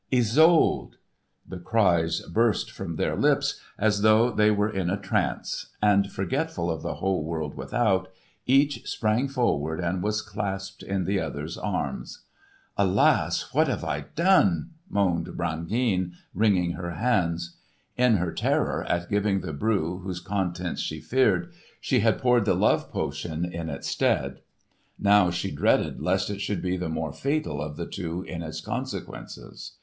"Isolde!" The cries burst from their lips, as though they were in a trance; and forgetful of the whole world without, each sprang forward and was clasped in the other's arms. "Alas! What have I done?" moaned Brangeane, wringing her hands. In her terror at giving the brew whose contents she feared, she had poured the love potion in its stead. Now she dreaded lest it should be the more fatal of the two in its consequences.